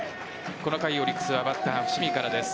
この回、オリックスはバッター・伏見からです。